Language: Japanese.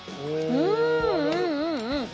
うんうんうん。